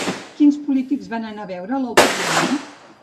Quins polítics van anar a veure'l al Parlament?